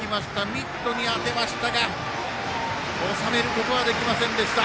ミットに当てましたが収めることはできませんでした。